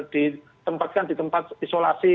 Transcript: ditempatkan di tempat isolasi